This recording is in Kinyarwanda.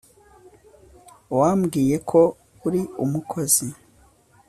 wambwiye ko uri umukozi